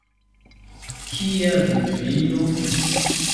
Kia vidvino?